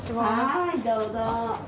はいどうぞ。